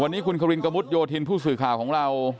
วันนี้คุณควินกระมุดโยธินผู้สื่อข่าวของเรา